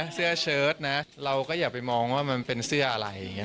เสื้อเชิดนะเราก็อย่าไปมองว่ามันเป็นเสื้ออะไรอย่างนี้